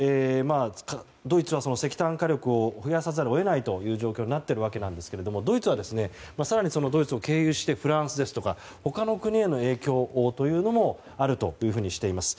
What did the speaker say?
ドイツは石炭火力を増やさざるを得ない状況になっていますがドイツは、更にそのドイツを経由して、フランスですとか影響というのもあるとしています。